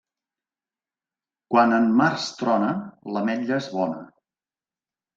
Quan en març trona, l'ametlla és bona.